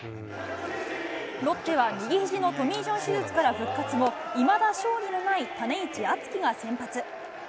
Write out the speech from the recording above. ロッテは右ひじのトミージョン手術から復活後、いまだ勝利のない種市篤暉が先発。